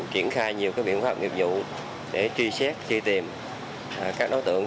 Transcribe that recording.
triển khai nhiều biện pháp nghiệp vụ để truy xét truy tìm các đối tượng